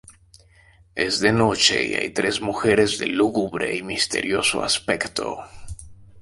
Es de noche y hay tres mujeres de lúgubre y misterioso aspecto.